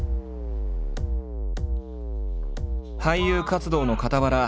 俳優活動のかたわら